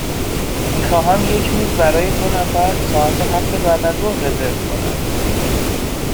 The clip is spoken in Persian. می خواهم یک میز برای دو نفر ساعت هفت بعدازظهر رزرو کنم.